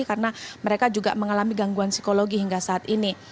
karena mereka juga mengalami gangguan psikologi hingga saat ini